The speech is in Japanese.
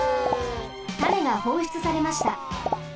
種がほうしゅつされました。